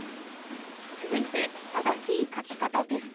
続いて正しい書き方テスト。